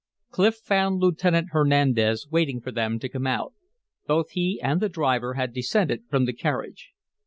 Clif found Lieutenant Hernandez waiting for them to come out. Both he and the driver had descended from the carriage.